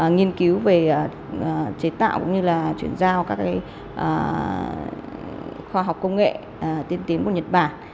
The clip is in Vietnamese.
nghiên cứu về chế tạo cũng như là chuyển giao các khoa học công nghệ tiên tiến của nhật bản